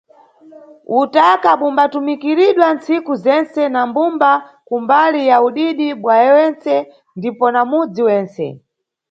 Utaka bumbatumikiridwa nntsiku zentse na mbumba ku mbali ya udidi bwayene ndipo na mudzi wentse.